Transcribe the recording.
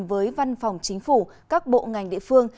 với văn phòng chính phủ các bộ ngành địa phương